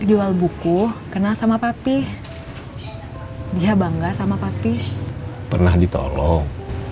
mungkin nanti dapet diskon